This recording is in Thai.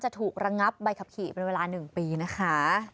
ถูกระงับใบขับขี่เป็นเวลา๑ปีนะคะ